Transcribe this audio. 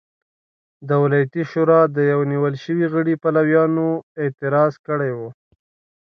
د ولایتي شورا د یوه نیول شوي غړي پلویانو اعتراض کړی و.